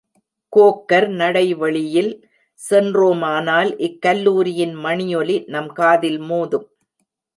Quaker நடைவெளியில் சென்றோமானால் இக்கல்லூரியின் மணியொலி நம் காதில் மோதும்.